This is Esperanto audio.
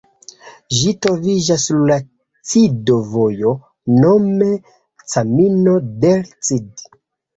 Ĝi troviĝas sur la Cido-vojo nome "Camino del Cid".